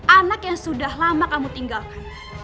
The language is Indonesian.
anak yang sudah lama kamu tinggalkan